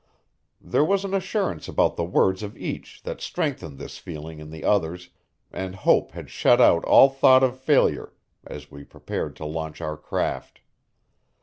There was an assurance about the words of each that strengthened this feeling in the others, and hope had shut out all thought of failure as we prepared to launch our craft.